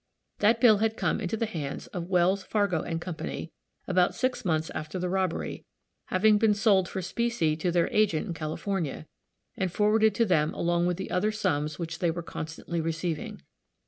That bill had come into the hands of Wells, Fargo & Co., about six months after the robbery, having been sold for specie to their agent in California, and forwarded to them along with the other sums which they were constantly receiving.